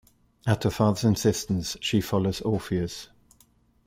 At her father's insistence, she follows Orpheus.